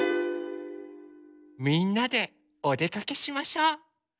みんなでおでかけしましょう。